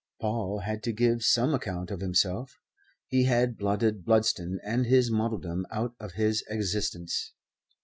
Paul had to give some account of himself. He had blotted Bludston and his modeldom out of his existence.